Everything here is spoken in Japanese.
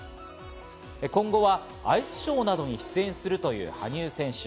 今後はアイスショーなどに出演するという羽生選手。